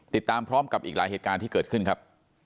ติดตามพร้อมกับอีกหลายเหตุการณ์ที่เกิดขึ้นครับ